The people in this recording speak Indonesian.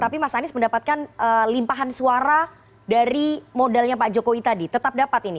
tapi mas anies mendapatkan limpahan suara dari modalnya pak jokowi tadi tetap dapat ini